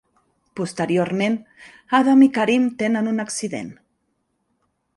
Posteriorment, Adam i Kareem tenen un accident.